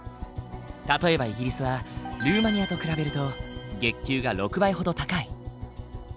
例えばイギリスはルーマニアと比べると月給が６倍ほど高い。